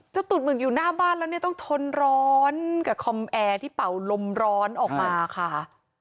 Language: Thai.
ตูดหมึกอยู่หน้าบ้านแล้วเนี่ยต้องทนร้อนกับคอมแอร์ที่เป่าลมร้อนออกมาค่ะ